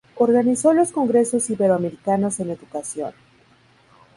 Organizó los Congresos Iberoamericanos de Educación.